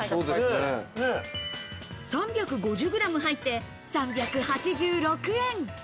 ３５０ｇ入って３８６円。